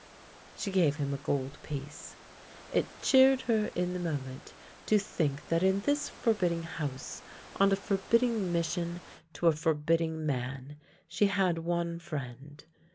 She gave him a gold piece. It cheered her in the moment to think that in this forbidding house, on a forbidding mission to a forbidding man, she had one friend.